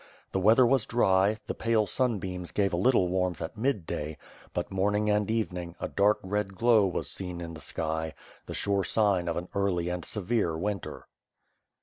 The weather was dry, the pale sun beams gave a little warmth at midday, but morning and even ing a dark red glow was seen in the sky, the sure sign of an early and severe winter.